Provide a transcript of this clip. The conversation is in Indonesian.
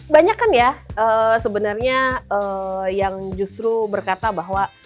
banyak kan ya sebenarnya yang justru berkata bahwa